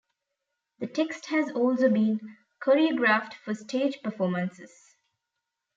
The text has also been choreographed for stage performances.